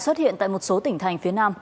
xuất hiện tại một số tỉnh thành phía nam